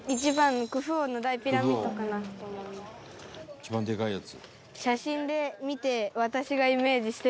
「一番でかいやつ」